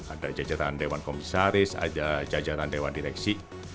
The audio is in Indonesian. ada jajaran dewan komisaris ada jajaran dewan direksi